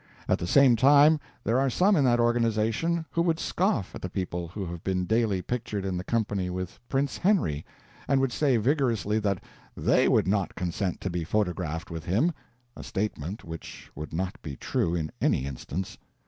At the same time, there are some in that organization who would scoff at the people who have been daily pictured in company with Prince Henry, and would say vigorously that _they _would not consent to be photographed with him a statement which would not be true in any instance.